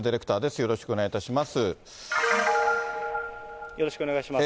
よろしくお願いします。